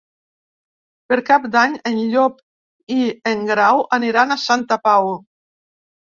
Per Cap d'Any en Llop i en Grau aniran a Santa Pau.